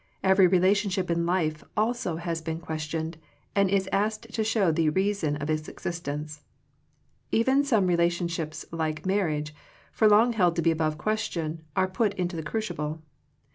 Every relationship in life also has been questioned, and is asked to show the reason of its existence. Even some relationships like marriage, for long held to be above question, are put into the crucible.